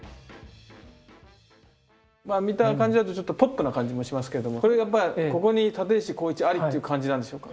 まあ見た感じだとちょっとポップな感じもしますけどもこれがここに立石紘一ありっていう感じなんでしょうか？